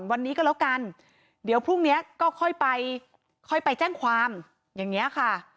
วันนี้ก็แล้วกันเดี๋ยวพรุ่งนี้ก็ค่อยไปค่อยไปแจ้งความอย่างนี้ค่ะ